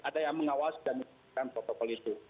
ada yang mengawas dan menjaga protokol itu